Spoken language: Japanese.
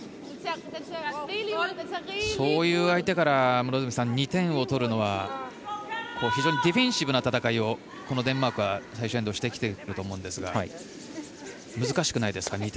そういう相手から２点を取るのは非常にディフェンシブな戦いをデンマークは最終エンドしてきていると思うんですが難しくないですか？